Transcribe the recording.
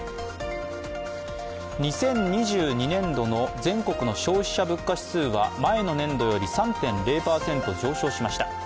２０２２年度の全国の消費者物価指数は前の年度より３．０％上昇しました。